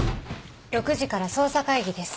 ６時から捜査会議です。